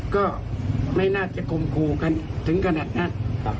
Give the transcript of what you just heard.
ก็ไม่น่าจะคมครูกันถึงขนาดนั้น